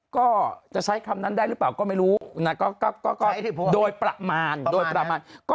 ๓๐ก็จะใช้คำนั้นได้หรือเปล่าก็ไม่รู้นะก็โดยประมาณก็